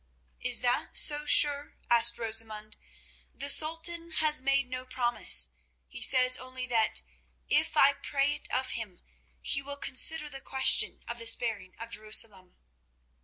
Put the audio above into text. "Is that so sure?" asked Rosamund. "The Sultan has made no promise; he says only that, if I pray it of him, he will consider the question of the sparing of Jerusalem."